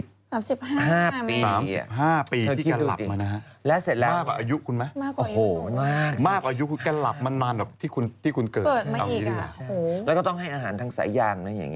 ๓๕ปีที่แกหลับมามากอายุกุณไหมมากกว่าอายุคุณมานานก็ต้องให้อาหารทางสายยามต่อไหน